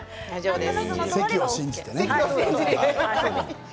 関を信じてね。